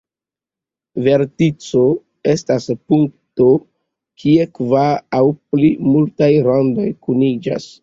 Vertico estas punkto kie kvar aŭ pli multaj randoj kuniĝas.